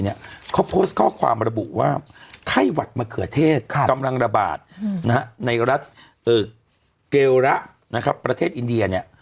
เขาโพสต์ข้อความระบุว่าไข้หวัดมะเขือเทศกำลังระบาดในรัฐเกลระนะครับประเทศอินเดียเนี่ย